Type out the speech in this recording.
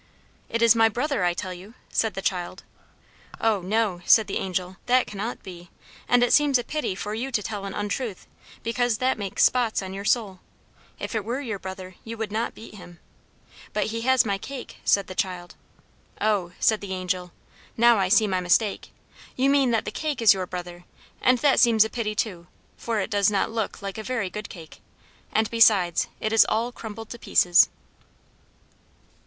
"It is my brother, I tell you!" said the child. "Oh no," said the Angel, "that cannot be; and it seems a pity for you to tell an untruth, because that makes spots on your soul. If it were your brother, you would not beat him." "But he has my cake!" said the child. "Oh," said the Angel, "now I see my mistake. You mean that the cake is your brother; and that seems a pity, too, for it does not look like a very good cake, and, besides, it is all crumbled to pieces."